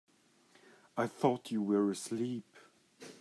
I thought you were asleep.